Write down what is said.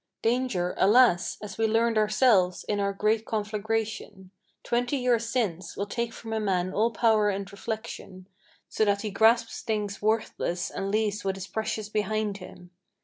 Danger, alas! as we learned ourselves in our great conflagration Twenty years since, will take from a man all power of reflection, So that he grasps things worthless and leaves what is precious behind him.